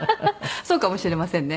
そうかもしれませんね。